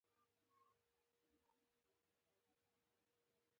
ورزش د بدن د زړښت مخنیوی کوي.